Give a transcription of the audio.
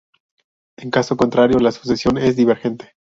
En caso contrario, la sucesión es divergente.